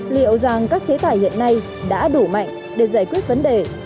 liệu rằng các chế tải hiện nay đã đủ mạnh để giải quyết vấn đề